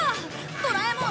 ドラえもん！